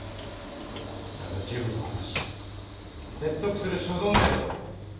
ただ治部と話し説得する所存でござった。